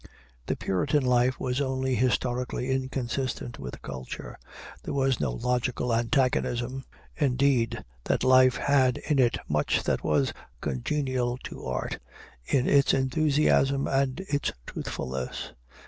The Puritan life was only historically inconsistent with culture; there was no logical antagonism. Indeed, that life had in it much that was congenial to art, in its enthusiasm and its truthfulness.